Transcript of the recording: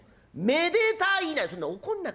『めでたいな』」。